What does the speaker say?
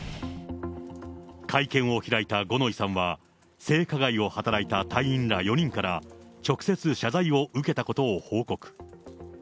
会見を開いた五ノ井さんは、性加害を働いた隊員ら４人から直接謝罪を受けたことを報告。